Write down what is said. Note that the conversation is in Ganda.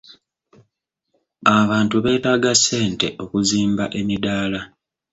Abantu beetaaga ssente okuzimba emidaala.